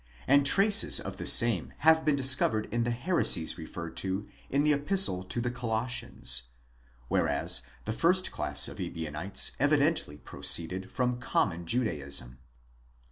° and traces of the same have been discovered in the heresies referred to in the Epistle to the Colossians; whereas the first class of Ebionites evidently proceeded from common Judaism.